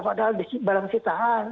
padahal barang siap